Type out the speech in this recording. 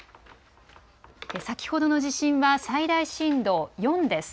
先ほどの地震は最大震度４です。